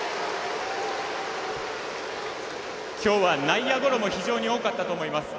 今日は内野ゴロも非常に多かったと思います。